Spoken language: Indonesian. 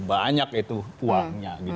banyak itu uangnya